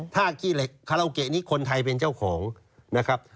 ถ้าขี้เหล็กคาราโอเกะนี้คนไทยเป็นเจ้าของนะครับ